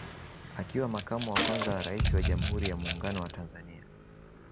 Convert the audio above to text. Akiwa Makamo wa kwanza wa Rais wa Jamhuri ya Muungano wa Tanzania